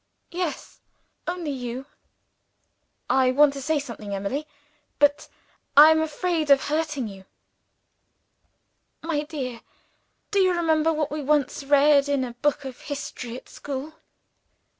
"Yes. Only you." "I want to say something, Emily; but I am afraid of hurting you." "My dear, do you remember what we once read in a book of history at school?